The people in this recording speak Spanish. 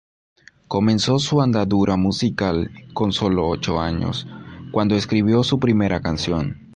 Comenzó su andadura musical con sólo ocho años, cuando escribió su primera canción.